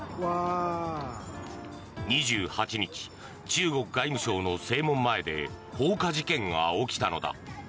２８日、中国外務省の正門前で放火事件が起きたのだ。